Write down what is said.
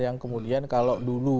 yang kemudian kalau dulu